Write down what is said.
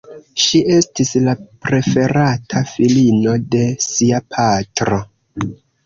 Ŝi estis la preferata filino de sia patro.